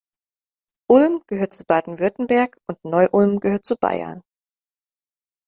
Ulm gehört zu Baden-Württemberg und Neu-Ulm gehört zu Bayern.